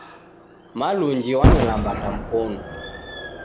Malunji wanilambata mkonu